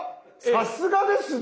さすがですね。